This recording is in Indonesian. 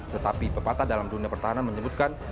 tetapi pepatah dalam dunia pertahanan menyebutkan